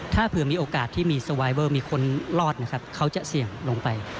ถ้าเผื่อมีโอกาสที่มีสไวเวอร์มีคนรอดนะครับเขาจะเสี่ยงลงไป